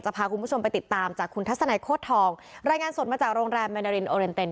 พาคุณผู้ชมไปติดตามจากคุณทัศนัยโคตรทองรายงานสดมาจากโรงแรมแมนารินโอเรนเต็น